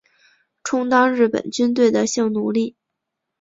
充当日本军队的性奴隶